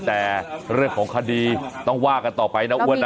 แต่เรื่องของคดีต้องว่ากันต่อไปนะอ้วนนะ